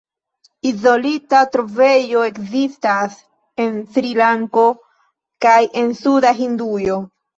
Izolita trovejo ekzistas en Srilanko kaj en suda Hindujo.